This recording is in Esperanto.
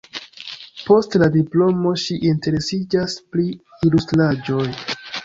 Post la diplomo ŝi interesiĝas pri ilustraĵoj.